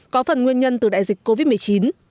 có phần nguyên nhân từ đại dịch covid một mươi chín